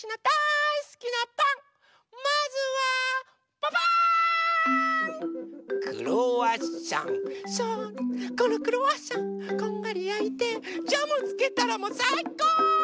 このクロワッサンこんがりやいてジャムつけたらもうさいこ！